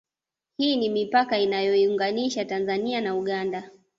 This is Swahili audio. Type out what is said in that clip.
Hii ni mipaka inayoiunganisha Tanzania na Uganda